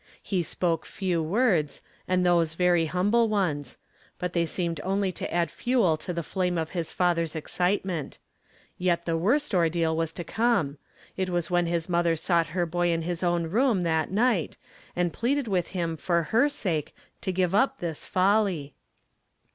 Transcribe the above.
He spoke few words and those very humble ones ; but they seemed only to add fuel to the flame of his father's excitement. Yet the woi st ordeal was to come. It was when the mother sought her boy in his own room that night, and pleaded with him for her sake to ^ive up this folly.